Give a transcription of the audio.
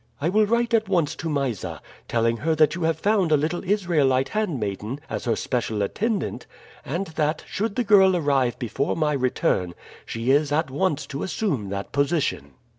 I will write at once to Mysa, telling her that you have found a little Israelite handmaiden as her special attendant, and that, should the girl arrive before my return, she is at once to assume that position.